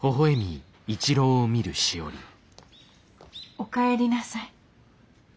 おかえりなさい。